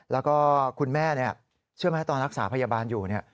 แล้วก็คุณแม่เชื่อไหมตอนรักษาพยาบาลอยู่เนี่ย